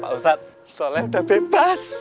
ustadz soleh udah bebas